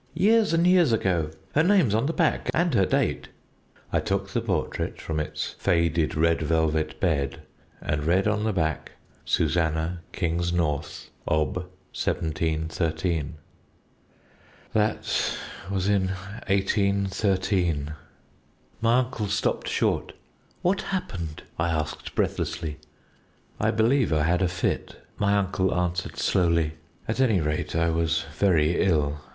"'Years and years ago! Her name's on the back and her date ' "I took the portrait from its faded red velvet bed, and read on the back 'SUSANNAH KINGSNORTH, Ob. 1713.' "That was in 1813." My uncle stopped short. "What happened?" I asked breathlessly. "I believe I had a fit," my uncle answered slowly; "at any rate, I was very ill."